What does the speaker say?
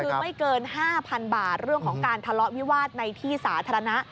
คือไม่เกิน๕๐๐๐บาทเรื่องของการทะเลาะวิวาสในที่สาธารณะ